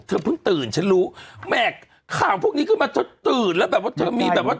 เพิ่งตื่นฉันรู้แหมข่าวพวกนี้ขึ้นมาเธอตื่นแล้วแบบว่าเธอมีแบบว่า